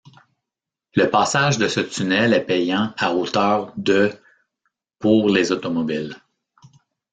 Le passage de ce tunnel est payant à hauteur de pour les automobiles.